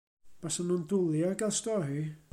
Basan nhw'n dwli ar gael stori.